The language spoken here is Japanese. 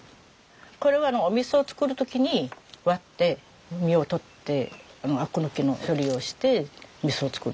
これはお味噌作る時に割って実をとってアク抜きの処理をして味噌を作る。